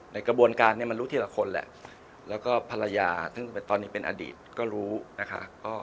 ในกระบวนการเนี่ยมันรู้ทีละคนแหละแล้วก็ภรรยาซึ่งตอนนี้เป็นอดีตก็รู้นะคะ